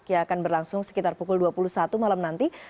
yang akan berlangsung sekitar pukul dua puluh satu malam nanti